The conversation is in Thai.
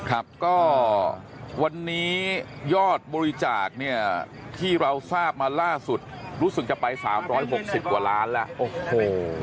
ครับก็วันนี้ยอดบริจาคเนี่ยที่เราทราบมาล่าสุดรู้สึกจะไป๓๖๐กว่าล้านแล้วโอ้โห